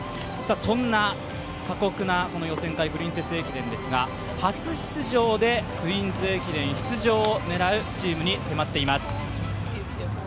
そんな過酷な予選会、このプリンセス駅伝ですが、初出場でクイーンズ駅伝出場を狙うチームに迫っています。